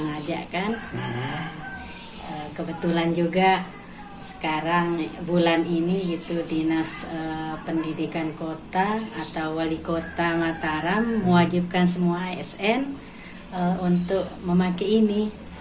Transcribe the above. mewajibkan semua asn untuk memakai ini